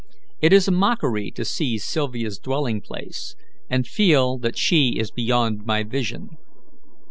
It is a mockery to see Sylvia's dwelling place, and feel that she is beyond my vision.